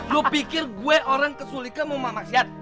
lu pikir gue orang kesulikamu mah maksiat